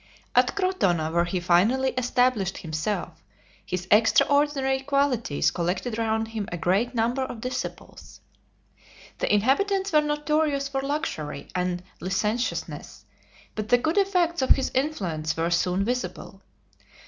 At Crotona, where he finally established himself, his extraordinary qualities collected round him a great number of disciples. The inhabitants were notorious for luxury and licentiousness, but the good effects of his influence were soon visible.